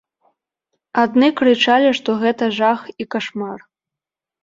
Адны крычалі, што гэта жах і кашмар.